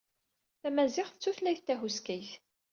Tamaziɣt d tutlayt tahuskayt.